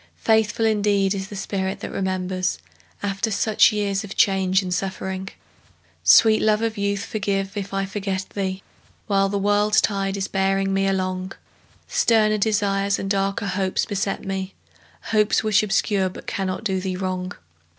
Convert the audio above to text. Faithful indeed is the spirit that remembers After such years of change and suffering! Sweet love of youth, forgive if I forget thee While the world's tide is bearing me along; Sterner desires and darker hopes beset me, Hopes which obscure but cannot do thee wrong.